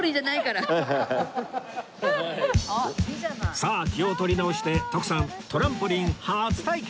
さあ気を取り直して徳さんトランポリン初体験